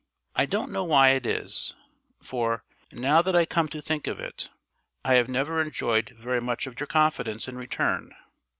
I don't know why it is; for, now that I come to think of it, I have never enjoyed very much of your confidence in return.